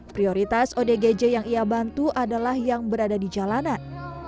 prioritas odgj yang ia bantu adalah yang berada di jalanan